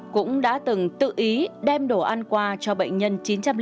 cũng đã từng tự ý đem đồ ăn qua cho bệnh nhân chín trăm linh bốn